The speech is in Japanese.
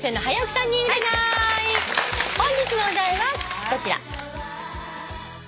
本日のお題はこちら。